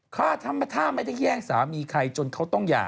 ท่าไม่ได้แย่งสามีใครจนเขาต้องหย่า